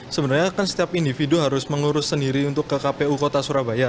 sebenarnya kan setiap individu harus mengurus sendiri untuk ke kpu kota surabaya